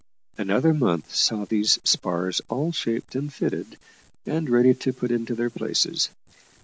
Another month saw these spars all shaped and fitted, and ready to be put into their places.